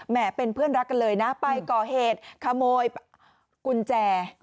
เป็นเพื่อนรักกันเลยนะไปก่อเหตุขโมยกุญแจ